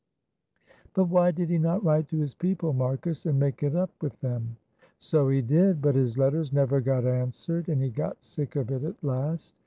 "But why did he not write to his people, Marcus, and make it up with them?" "So he did, but his letters never got answered, and he got sick of it at last.